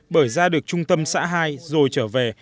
bởi ra được trung tâm xã hai rồi trở về